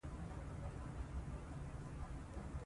د کویلیو شخصي ژوند له ادبي سبک سره تړلی دی.